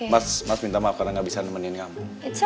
mas mas minta maaf karena gak bisa nemenin kamu